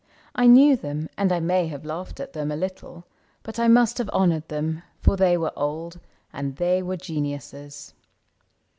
I knew them, and I may have laughed at them A little ; but I must have honored them For they were old, and they were geniuses.